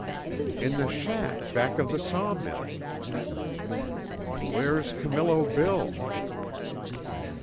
"In the shack back of the sawmill." "Where's Camillo Bill?"